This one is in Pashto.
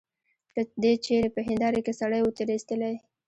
که دي چیري په هنیداره کي سړی وو تېرایستلی.